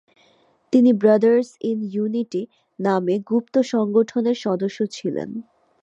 তিনি "Brothers in Unity" নামে গুপ্তসংগঠনের সদস্য ছিলেন।